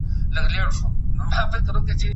تاسو کوم ډول انار ډېر خوښوئ، تروه که خواږه؟